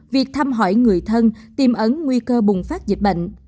việc thăm hỏi người thân tìm ấn nguy cơ bùng phát dịch bệnh